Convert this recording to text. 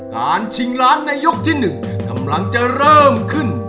ชิงล้านในยกที่๑กำลังจะเริ่มขึ้น